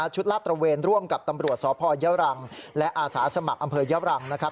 ลาดตระเวนร่วมกับตำรวจสพยรังและอาสาสมัครอำเยบรังนะครับ